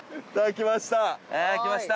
きました。